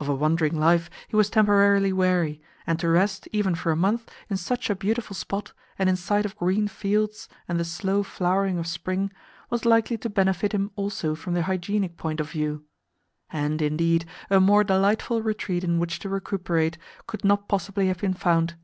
Of a wandering life he was temporarily weary, and to rest, even for a month, in such a beautiful spot, and in sight of green fields and the slow flowering of spring, was likely to benefit him also from the hygienic point of view. And, indeed, a more delightful retreat in which to recuperate could not possibly have been found.